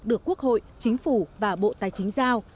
được quốc hội chính phủ và bộ tài chính giao